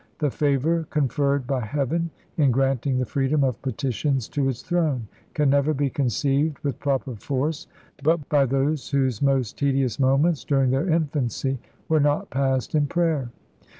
The favour conferred by Heaven in granting the freedom of petitions to its throne, can never be conceived with proper force but by those whose most tedious moments during their infancy were not passed in prayer.